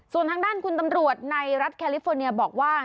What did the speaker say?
ส่วนทางด้านคุณตำรวจในรัฐแคลิฟอร์เนียบอกว่า